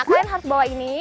kalian harus bawa ini